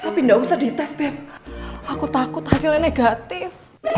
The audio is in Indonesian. tapi nggak usah dites deh aku takut hasilnya negatif